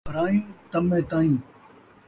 ارائیں، طمع تئیں